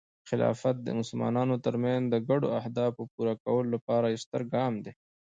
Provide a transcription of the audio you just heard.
خلافت د مسلمانانو ترمنځ د ګډو اهدافو پوره کولو لپاره یو ستر ګام دی.